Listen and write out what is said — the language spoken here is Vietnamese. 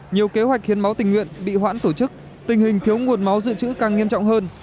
nhiều kế hoạch hiến máu tình nguyện bị hoãn tổ chức tình hình thiếu nguồn máu dự trữ càng nghiêm trọng hơn